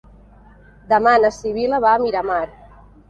Demà na Sibil·la va a Miramar.